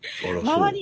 周り